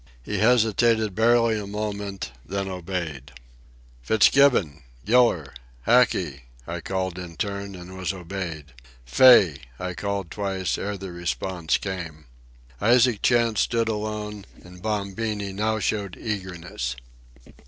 He hesitated barely a moment, then obeyed. "Fitzgibbon!—Giller!—Hackey!" I called in turn, and was obeyed. "Fay!" I called twice, ere the response came. Isaac Chantz stood alone, and Bombini now showed eagerness.